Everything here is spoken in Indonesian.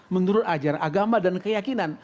menurut ajar agama dan keyakinan